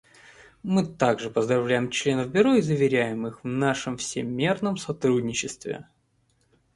Мы также поздравляем членов Бюро и заверяем их в нашем всемерном сотрудничестве.